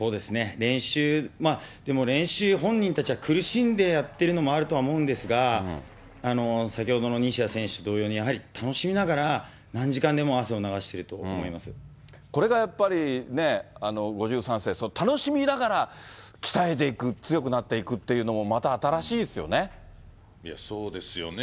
練習、でも練習、本人たちは苦しんでやってるのもあるとは思うんですが、先ほどの西矢選手同様に、やはり楽しみながら、何時間でも汗を流してるとこれがやっぱり、５３世、楽しみながら鍛えていく、強くなっていくっていうのも、そうですよね。